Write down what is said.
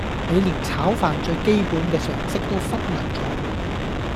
你連炒飯最基本嘅常識都忽略咗